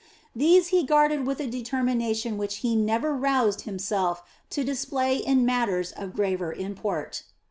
These he guarded with a determination which he never roused himself to display in matters of graver import.